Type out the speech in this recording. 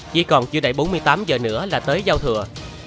chỉ còn chưa đầy bốn mươi tám giờ nữa là tới giao thừa